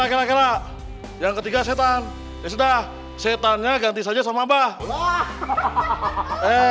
kira kira yang ketiga setan ya sudah setannya ganti saja sama abah